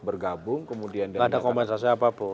bergabung kemudian gak ada kompensasi apapun